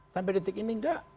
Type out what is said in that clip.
sampai detik ini nggak